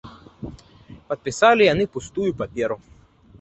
Падпісалі яны пустую паперу.